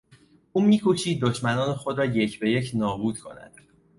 او می کوشید دشمنان خود را یک به یک نابود کند.